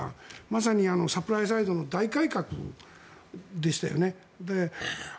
まさにサプライサイドの大改革でしたよね。